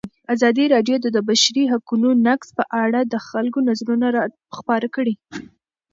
ازادي راډیو د د بشري حقونو نقض په اړه د خلکو نظرونه خپاره کړي.